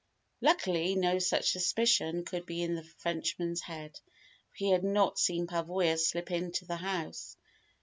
Luckily, no such suspicion could be in the Frenchman's head, for he had not seen Pavoya slip into the house.